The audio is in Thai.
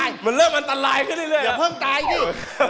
อย่าเพิ่งตายอีกที